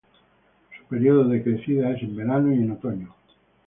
Su período de crecidas es en verano y en otoño.